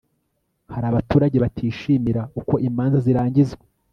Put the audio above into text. hari abaturage batishimira uko imanza zirangizwa